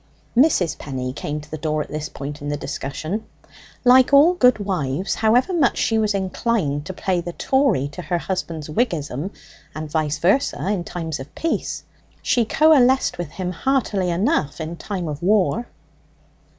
Mrs. Penny came to the door at this point in the discussion. Like all good wives, however much she was inclined to play the Tory to her husband's Whiggism, and vice versa, in times of peace, she coalesced with him heartily enough in time of war.